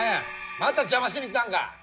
また邪魔しに来たんか！？